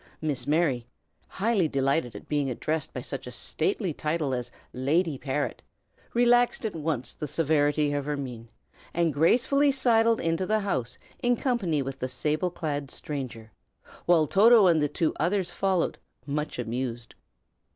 Miss Mary, highly delighted at being addressed by such a stately title as "Lady Parrot," relaxed at once the severity of her mien, and gracefully sidled into the house in company with the sable clad stranger, while Toto and the two others followed, much amused.